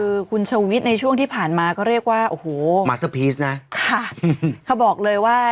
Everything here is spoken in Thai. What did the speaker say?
คือคุณชวิตในช่วงที่ผ่านมาก็เรียกว่าโอ้โหนะครับเขาบอกเลยว่า